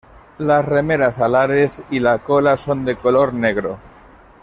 Las remeras alares y la cola son de color negro.